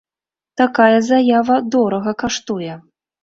Такая заява дорага каштуе!